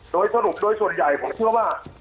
โดยสรุปโดยส่วนใหญ่ผมเชื่อว่า